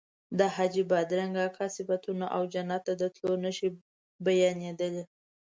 د حاجي بادرنګ اکا صفتونه او جنت ته د تلو نښې بیانېدلې.